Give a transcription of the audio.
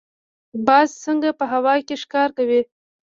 باز څنګه په هوا کې ښکار کوي؟